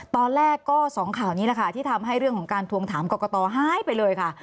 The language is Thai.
ตอนแรกก็สองข่าวนี้แหละค่ะที่ทำให้เรื่องของการทวงถามกรกตหายไปเลยค่ะ